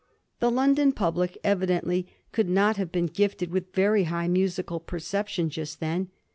The London public evidently could not have been gifted with very high musical perception just then.